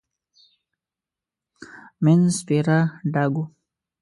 مينځ سپيره ډاګ و.